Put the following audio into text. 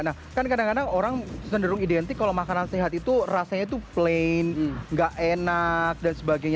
nah kan kadang kadang orang cenderung identik kalau makanan sehat itu rasanya tuh plain nggak enak dan sebagainya